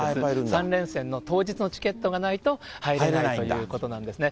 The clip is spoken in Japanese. ３連戦の当日のチケットがないと入れないということなんですね。